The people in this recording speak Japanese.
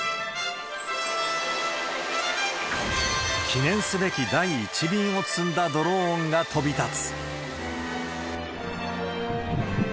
記念すべき第１便を積んだドローンが飛び立つ。